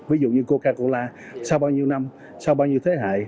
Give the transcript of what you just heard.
ví dụ như coca cola sau bao nhiêu năm sau bao nhiêu thế hệ